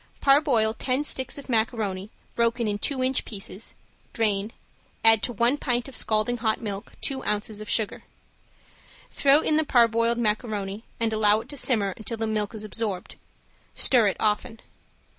Parboil ten sticks of macaroni broken in two inch pieces, drain, add to one pint of scalding hot milk two ounces of sugar. Throw in the parboiled macaroni and allow it to simmer until the milk is absorbed; stir it often.